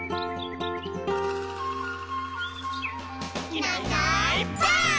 「いないいないばあっ！」